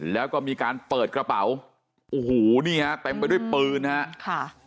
แล้วก็มีการเปิดกระเป๋าโอ้โหนี่ฮะเต็มไปด้วยปืนฮะค่ะ